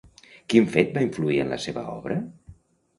Quin fet va influir en la seva obra?